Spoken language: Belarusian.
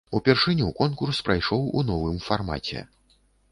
Упершыню конкурс прайшоў у новым фармаце.